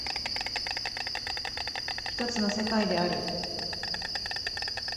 一つの世界である。